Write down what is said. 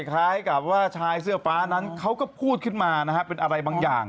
คล้ายกับว่าชายเสื้อฟ้านั้นเขาก็พูดขึ้นมานะฮะเป็นอะไรบางอย่าง